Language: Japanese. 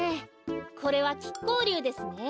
これはきっこうりゅうですね。